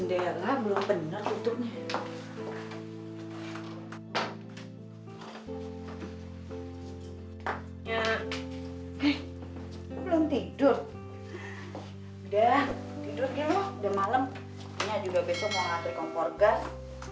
nyiak juga besok mau ngelanturin kompor gas